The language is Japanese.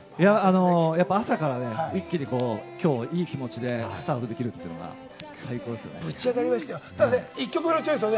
朝から一気に今日がいい気持ちでスタートできるというのが最高ですね。